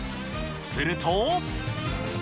すると。